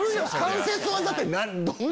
関節技って。